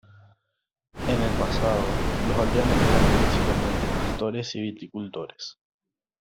En el pasado, los aldeanos eran principalmente pastores y viticultores.